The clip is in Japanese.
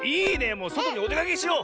もうそとにおでかけしよう！